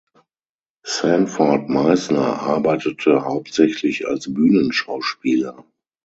Sanford Meisner arbeitete hauptsächlich als Bühnenschauspieler.